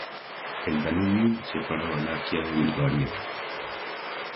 El Danubio separa Valaquia de Bulgaria.